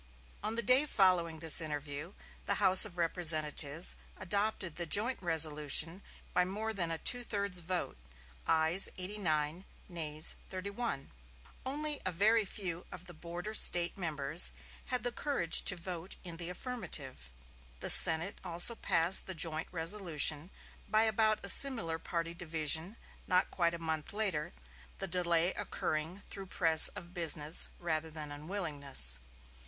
On the day following this interview the House of Representatives adopted the joint resolution by more than a two thirds vote; ayes eighty nine, nays thirty one. Only a very few of the border State members had the courage to vote in the affirmative. The Senate also passed the joint resolution, by about a similar party division, not quite a month later; the delay occurring through press of business rather than unwillingness.